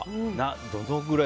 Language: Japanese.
どのぐらい。